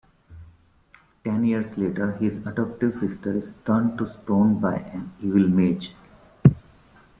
Ten years later, his adoptive sister is turned to stone by an evil mage.